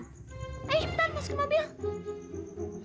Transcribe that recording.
ayo sebentar masuk ke mobil